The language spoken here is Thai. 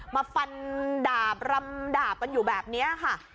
มาฟันดาบรำดาบกันอยู่แบบนี้ค่ะ